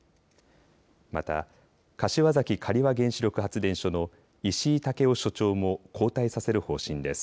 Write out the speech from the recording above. また、柏崎刈羽原子力発電所の石井武生所長も交代させる方針です。